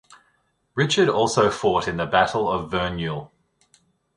Richard also fought in the Battle of Verneuil.